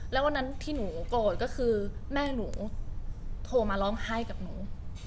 แล้ววันนั้นที่หนูโกรธก็คือแม่หนูโทรมาร้องไห้กับหนู